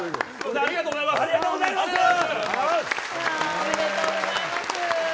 おめでとうございます。